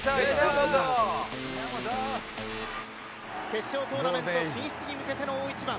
決勝トーナメント進出に向けての大一番。